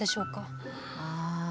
ああ。